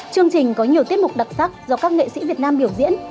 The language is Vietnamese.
chương trình có nhiều tiết mục đặc sắc do các nghệ sĩ việt nam biểu diễn